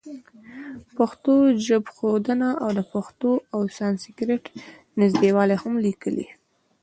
پښتو ژبښودنه او د پښتو او سانسکریټ نزدېوالی هم لیکلي.